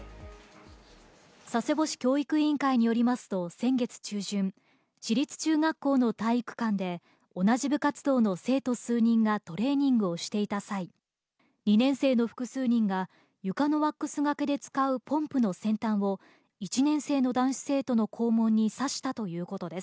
佐世保市教育委員会によりますと、先月中旬、市立中学校の体育館で、同じ部活動の生徒数人がトレーニングをしていた際、２年生の複数人が床のワックスがけで使うポンプの先端を、１年生の男子生徒の肛門にさしたということです。